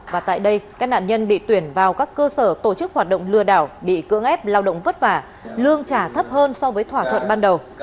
và tại đây các nạn nhân bị tuyển vào các cơ sở tổ chức hoạt động lừa đảo bị cưỡng ép lao động vất vả lương trả thấp hơn so với thỏa thuận ban đầu